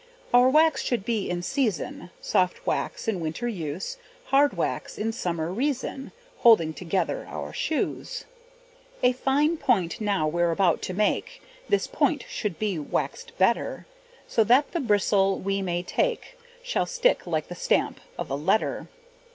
Our wax should be in season, Soft wax in winter use Hard wax in summer reason, Holding together our shoes. A fine point now we're about to make; This part should be waxed better, So that the bristle we may take, Shall stick like the stamp of a letter.